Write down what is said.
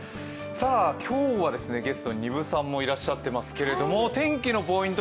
今日はゲストに丹生さんもいらっしゃってますけど天気のポイント